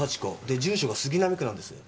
で住所が杉並区なんです。